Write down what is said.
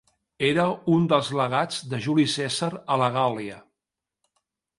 Era un dels legats de Juli Cèsar a la Gàl·lia.